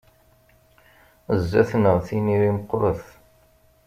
Zzat-neɣ tiniri meqqret.